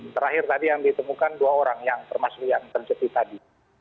terakhir tadi yang ditemukan dua orang yang termasuk yang tercekik tadi